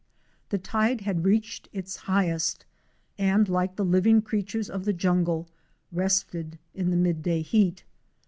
The tide had reached its highest, and, like the living creatures of the jungle, rested in the midday heat.